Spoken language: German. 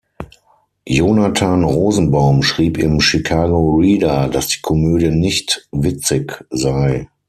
Jonathan Rosenbaum schrieb im "Chicago Reader", dass die Komödie nicht witzig sei.